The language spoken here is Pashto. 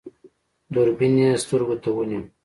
دوربين يې سترګو ته ونيو.